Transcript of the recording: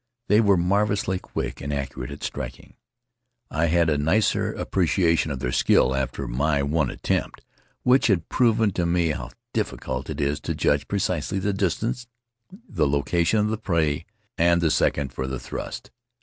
They were marvelously quick and accurate at striking. I had a nicer appreciation of their skill after my one attempt, which had proven to me how difficult it is to judge precisely the distance, the location of the prey, and the second for the thrust.